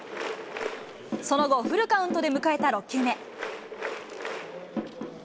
その後、フルカウントで迎えた６球目。